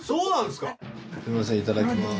すみませんいただきます。